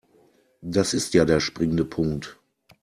Das ist ja der springende Punkt.